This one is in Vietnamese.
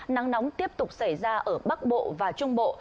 nắng nóng tiếp tục xảy ra ở bắc bộ và trung bộ